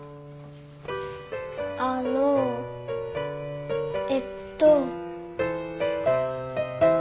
あのえっと。